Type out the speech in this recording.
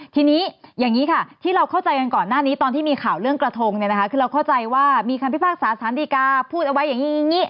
ทีนี้อย่างนี้ค่ะที่เราเข้าใจกันก่อนหน้านี้ตอนที่มีข่าวเรื่องกระทงเนี่ยนะคะคือเราเข้าใจว่ามีคำพิพากษาสารดีกาพูดเอาไว้อย่างนี้อย่างนี้